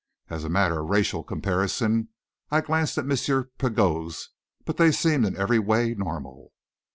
As a matter of racial comparison, I glanced at M. Pigot's, but they seemed in every way normal.